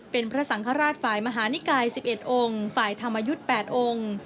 เป็นพระสังฆราชฝ่ายมหานิกาย๑๑องค์ฝ่ายธรรมยุทธ์๘องค์